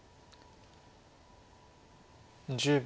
１０秒。